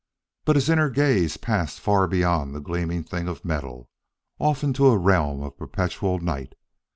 But his inner gaze passed far beyond the gleaming thing of metal, off into a realm of perpetual night.